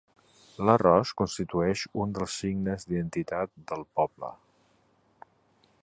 L'arròs constitueix un dels signes d'identitat del poble.